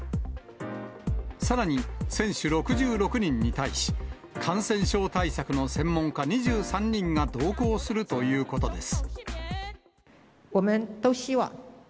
さらに選手６６人に対し、感染症対策の専門家２３人が同行するということです。